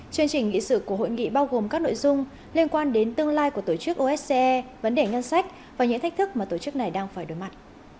chương trình nghị sự của hội nghị bao gồm các nội dung liên quan đến tương lai của tổ chức osce vấn đề nhân sách và những thách thức mà tổ chức này đang phải đối mặt